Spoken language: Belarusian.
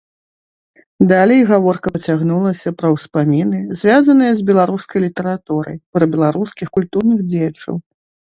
Далей гаворка пацягнулася пра ўспаміны, звязаныя з беларускай літаратурай, пра беларускіх культурных дзеячаў.